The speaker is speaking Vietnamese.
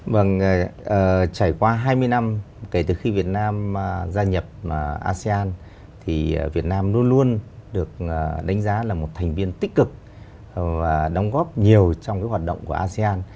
vâng trải qua hai mươi năm kể từ khi việt nam gia nhập asean thì việt nam luôn luôn được đánh giá là một thành viên tích cực và đóng góp nhiều trong cái hoạt động của asean